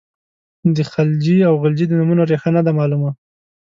د خلجي او غلجي د نومونو ریښه نه ده معلومه.